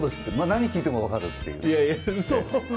何聞いても分かるっていう。